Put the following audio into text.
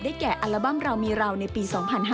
แก่อัลบั้มเรามีเราในปี๒๕๕๙